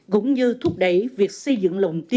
cũng như thúc đẩy việc xây dựng lồng tin